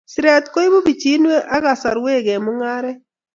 Siret koibu bichiinwek ak kasarwek eng mung'aret